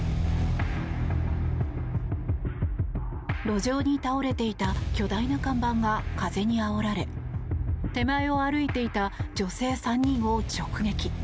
路上に倒れていた巨大な看板が風にあおられ手前を歩いていた女性３人を直撃。